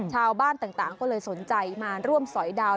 ชาวบ้านต่างก็เลยสนใจมาร่วมสอยดาว